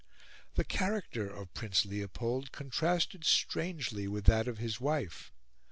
The character of Prince Leopold contrasted strangely with that of his wife.